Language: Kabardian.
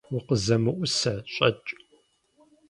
УкъызэмыӀусэ! ЩӀэкӀ!